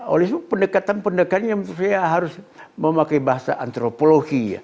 oleh itu pendekatan pendekannya harus memakai bahasa antropologi